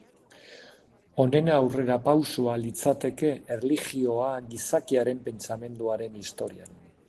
Honen aurrerapausoa litzateke erlijioa gizakiaren pentsamenduaren historian.